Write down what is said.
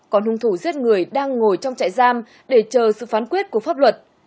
còn hung thủ giết người đang ngồi trong trại giam để chờ sự phán quyết của pháp luật